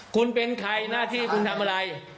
คุณเป็นใครหน้าที่คุณทำอะไร